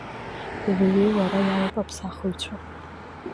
Илеи-ҩеиуа ара иалоуп, аԥсахыҩцәа!